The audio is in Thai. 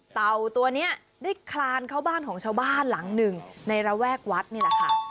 เต่าตัวนี้ได้คลานเข้าบ้านของชาวบ้านหลังหนึ่งในระแวกวัดนี่แหละค่ะ